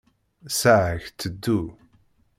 Ssaɛa-k tteddu.